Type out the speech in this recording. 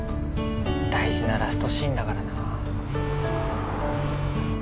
大事なラストシーンだからなぁ。